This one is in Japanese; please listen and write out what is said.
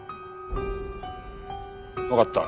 わかった。